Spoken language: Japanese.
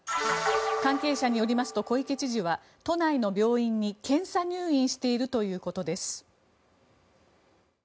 関係者によりますと小池知事は都内の病院に検査入院しているということです。